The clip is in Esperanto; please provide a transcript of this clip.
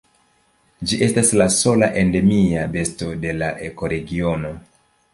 Ĝi estas la sola endemia besto de la ekoregiono.